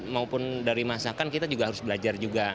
maupun dari masakan kita juga harus belajar juga